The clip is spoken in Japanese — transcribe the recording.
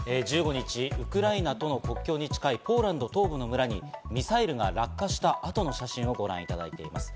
１５日、ウクライナとの国境に近いポーランド東部の村にミサイルが落下した後の写真をご覧いただいています。